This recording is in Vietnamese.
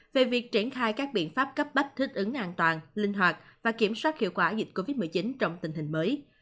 về việc triển khai các biện pháp cấp bách thích ứng an toàn linh hoạt và kiểm soát hiệu quả dịch covid một mươi chín trong tình hình mới